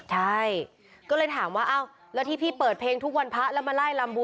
ใช่ก็เลยถามว่าเอ้าแล้วที่พี่เปิดเพลงทุกวันพระ